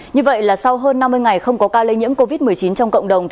như vậy là sau hơn năm mươi ngày không có ca lây nhiễm covid một mươi chín trong cộng đồng